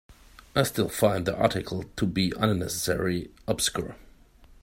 I still find the article to be unnecessarily obscure.